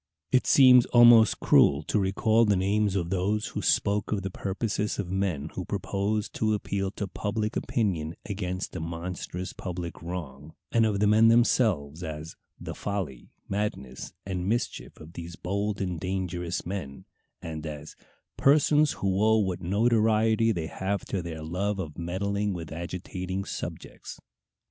It seems almost cruel to recall the names of those who spoke of the purposes of men who proposed to appeal to public opinion against a monstrous public wrong, and of the men themselves, as "the folly, madness, and mischief of these bold and dangerous men," and as "persons who owe what notoriety they have to their love of meddling with agitating subjects."